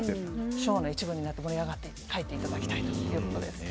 ショーの一部になって盛り上がって帰っていただきたいです。